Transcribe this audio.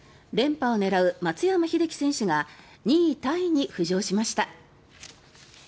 連覇を狙う松山英樹選手が２位タイに浮上しました。